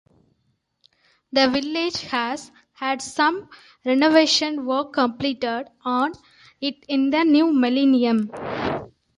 The village has had some renovation work completed on it in the new millennium.